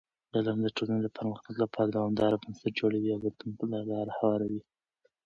علم د ټولنې د پرمختګ لپاره دوامدار بنسټ جوړوي او بدلون ته لاره هواروي.